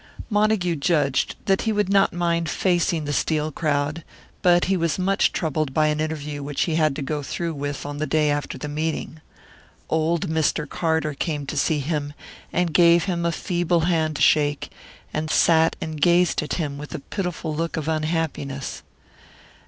Montague judged that he would not mind facing the "Steel crowd"; but he was much troubled by an interview which he had to go through with on the day after the meeting. Old Mr. Carter came to see him, and gave him a feeble hand to shake, and sat and gazed at him with a pitiful look of unhappiness.